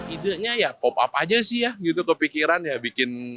ide ide nya ya pop up aja sih ya gitu kepikiran ya bikin tower satu kilo gitu